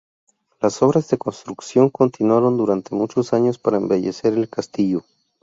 Las obras de construcción continuaron durante muchos años para embellecer el castillo.